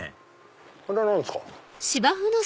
あれは何ですか？